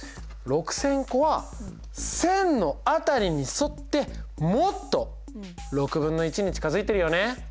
６０００個は「１０００」の辺りに沿ってもっと６分の１に近づいてるよね。